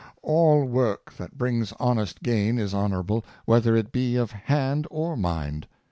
All work that brings honest gain is honorable, whether it be of hand or mind.